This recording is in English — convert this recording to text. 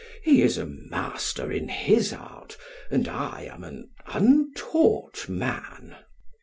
He is a master in his art and I am an untaught man.